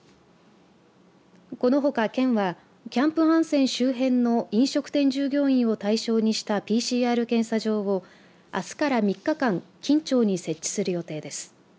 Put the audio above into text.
このほか県はキャンプハンセン周辺の飲食店従業員を対象にしたＰＣＲ検査場を、あすから３日間金武町に設置する予定です。